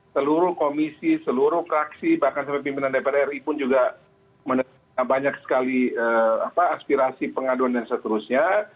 seluruh komisi seluruh fraksi bahkan sampai pimpinan dpr ri pun juga menerima banyak sekali aspirasi pengaduan dan seterusnya